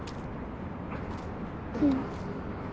うん。